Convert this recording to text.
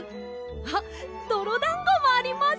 あっどろだんごもあります！